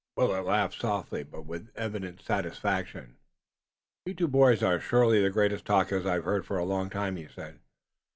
Willet laughed softly, but with evident satisfaction. "You two boys are surely the greatest talkers I've heard for a long time," he said.